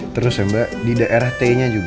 terus ya mbak di daerah t nya juga